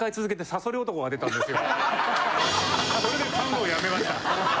それで買うのをやめました。